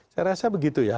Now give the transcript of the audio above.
saya rasa begitu ya